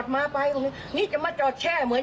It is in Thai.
ไม่รู้